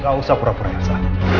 gak usah pura pura biasa